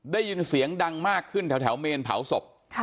ได้ยินเสียงดังมากขึ้นแถวเมนเผาศพ